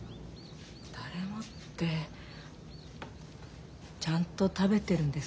誰もってちゃんと食べてるんですか？